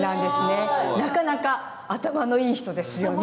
すごい！なかなか頭のいい人ですよね。